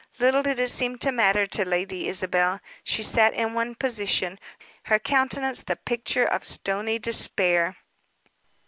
Little did it seem to matter to Lady Isabel; she sat in one position, her countenance the picture of stony despair.